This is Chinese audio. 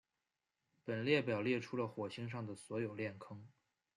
本列表列出了火星上的所有链坑。